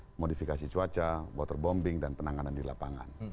bagaimana modifikasi cuaca waterbombing dan penanganan di lapangan